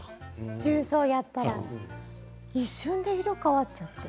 重曹やったら一瞬で色変わっちゃった。